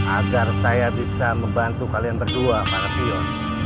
agar saya bisa membantu kalian berdua pak levion